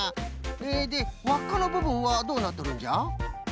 えでわっかのぶぶんはどうなっとるんじゃ？